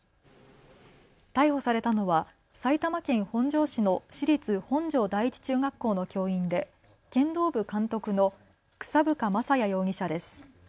逮捕されたのは埼玉県本庄市の私立本庄第一中学校の教員で剣道部監督の草深将也容疑者です。